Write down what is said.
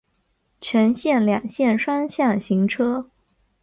全线两线双向行车。